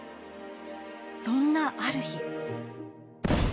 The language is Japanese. そんなある日。